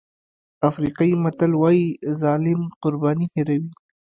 افریقایي متل وایي ظالم قرباني هېروي.